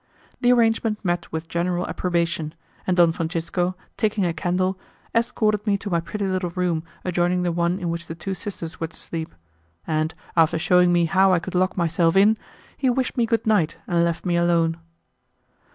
The arrangement met with general approbation, and Don Francisco, taking a candle, escorted me to my pretty little room adjoining the one in which the two sisters were to sleep, and, after shewing me how I could lock myself in, he wished me good night and left me alone.